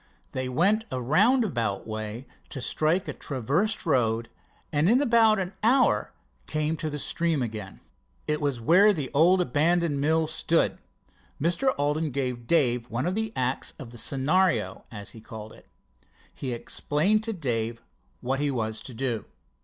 They went a roundabout way to strike a traversed road, and in about an hour came to the stream again. It was where an old abandoned mill stood. Mr. Alden gave Dave one of the acts of the "Scenario", as he called it. He explained to Dave what he was to do.